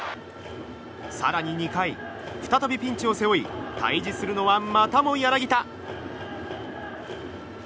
更に２回再びピンチを背負い対峙するのは、またも柳田。